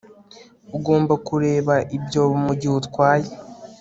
Ugomba kureba ibyobo mugihe utwaye